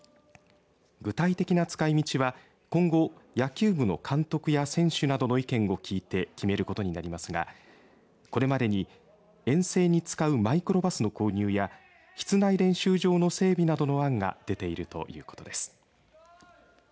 具体的な使い道は今後、野球部の監督や選手などの意見を聞いて決めることになりますがこれまでに遠征に使うマイクロバスの購入や室内練習場の整備などの案が出ているということです。